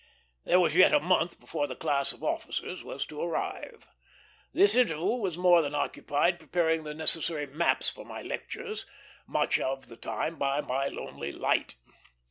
There was yet a month before the class of officers was to arrive. This interval was more than occupied preparing the necessary maps for my lectures, much of the time by my lonely light.